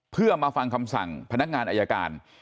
เพื่อมาฟังคำสั่งพนักงานอายการ